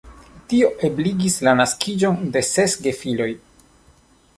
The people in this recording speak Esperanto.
Tio ebligis la naskiĝon de ses gefiloj.